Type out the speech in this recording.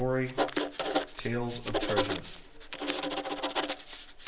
TALES OF TREASURE.